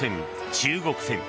中国戦。